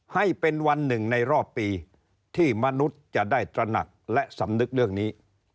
ให้เป็นวันหนึ่งในรอบปีที่มนุษย์จะได้ตระหนักและสำนึกเรื่องนี้